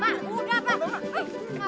mak udah pak